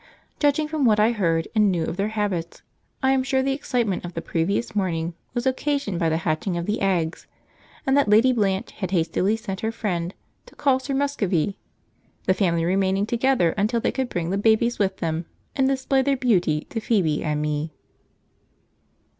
Judging from what I heard and knew of their habits, I am sure the excitement of the previous morning was occasioned by the hatching of the eggs, and that Lady Blanche had hastily sent her friend to call Sir Muscovy, the family remaining together until they could bring the babies with them and display their beauty to Phoebe and me.